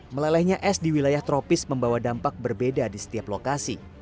melelehnya es di wilayah tropis membawa dampak berbeda di setiap lokasi